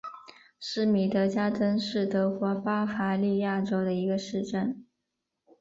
施米德加登是德国巴伐利亚州的一个市镇。